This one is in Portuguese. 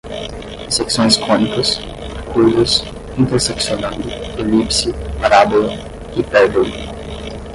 secções cônicas, curvas, interseccionando, elipse, parábola, hipérbole